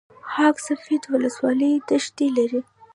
خاک سفید ولسوالۍ دښتې لري؟